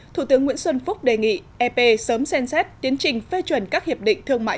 thủ tướng nguyễn xuân phúc đề nghị ep sớm xem xét tiến trình phê chuẩn các hiệp định thương mại